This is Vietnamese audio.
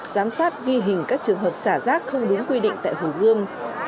giám sát ghi hình các trường hợp xả rác không đúng quy định tại hồ gươm